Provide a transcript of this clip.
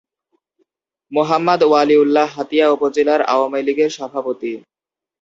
মোহাম্মদ ওয়ালী উল্লাহ হাতিয়া উপজেলা আওয়ামী লীগের সভাপতি।